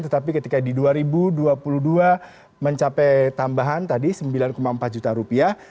tetapi ketika di dua ribu dua puluh dua mencapai tambahan tadi sembilan empat juta rupiah